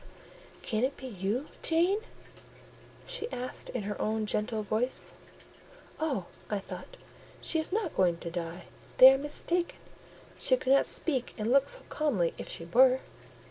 "Can it be you, Jane?" she asked, in her own gentle voice. "Oh!" I thought, "she is not going to die; they are mistaken: she could not speak and look so calmly if she were."